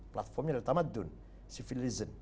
platformnya adalah tamaddun civilized